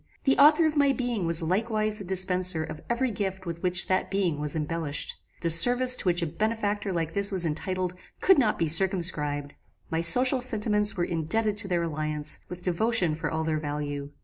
The author of my being was likewise the dispenser of every gift with which that being was embellished. The service to which a benefactor like this was entitled, could not be circumscribed. My social sentiments were indebted to their alliance with devotion for all their value.